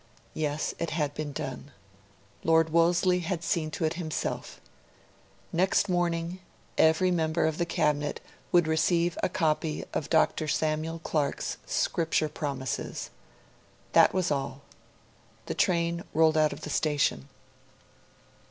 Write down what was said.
Yes, it had been done. Lord Wolseley had seen to it himself; next morning, every member of the Cabinet would receive a copy of Dr. Samuel Clarke's Scripture Promises. That was all. The train rolled out of the station.